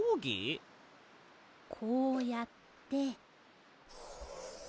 こうやって。